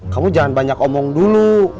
kamu jangan banyak omong dulu